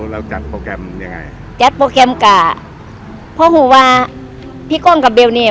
เราจัดโปรแกรมยังไงจัดโปรแกรมกะเพราะหูว่าพี่ก้องกับเบลเนี่ย